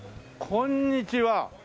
こんにちは。